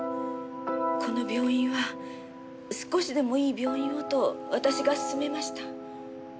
この病院は少しでもいい病院をと私が勧めました。